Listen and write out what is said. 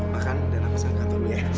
makan dan nafaskan kantormu ya